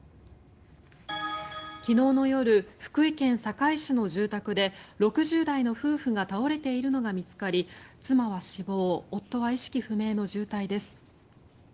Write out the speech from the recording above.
昨日の夜福井県坂井市の住宅で６０代の夫婦が倒れているのが見つかり妻は死亡夫は意識不明の重体です。